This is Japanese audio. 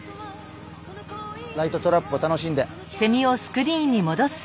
ライトトラップを楽しんで。